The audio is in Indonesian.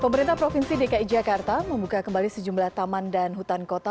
pemerintah provinsi dki jakarta membuka kembali sejumlah taman dan hutan kota